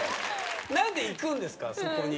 なんで行くんですかそこに。